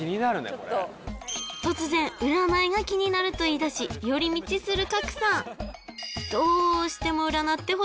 これ突然占いが気になると言いだし寄り道する